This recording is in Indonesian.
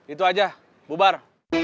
itu aja bubar